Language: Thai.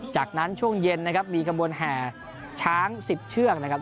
จากนั้นช่วงเย็นนะครับมีขบวนแห่ช้าง๑๐เชือกนะครับ